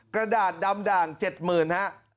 กระดาษดำด่าง๗๐๐๐๐บาทครับ